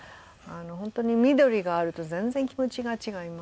本当に緑があると全然気持ちが違います。